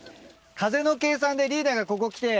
風の計算でリーダーがここ来て。